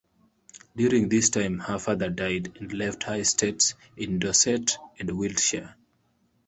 During this time her father died and left her estates in Dorset and Wiltshire.